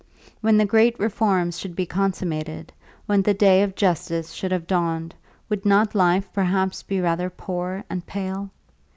When the great reforms should be consummated, when the day of justice should have dawned, would not life perhaps be rather poor and pale?